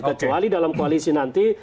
kecuali dalam koalisi nanti